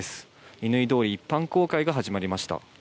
乾通り一般公開が始まりました。